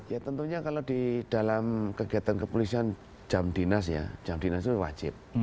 ya tentunya kalau di dalam kegiatan kepolisian jam dinas ya jam dinas itu wajib